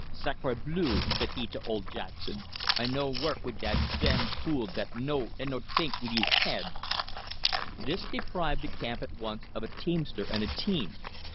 "Sacre bleu!" said he to old Jackson. "I no work wid dat dam fool dat no t'ink wit' hees haid." This deprived the camp at once of a teamster and a team.